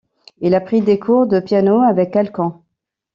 Il a pris des cours de piano avec Alkan.